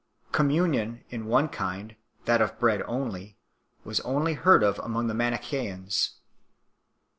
Com munion in one kind, that of bread only, was only heard of among the Manichseans 9